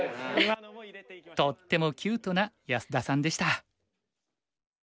とってもキュートな安田さんでした。